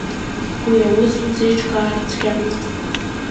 Уи аус узеиҿкаар цәгьамызт.